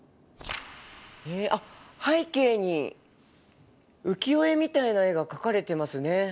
えあっ背景に浮世絵みたいな絵が描かれてますね。